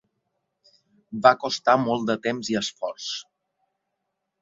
Va costar molt de temps i d'esforç.